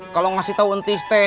kalau ngasih tau entis teh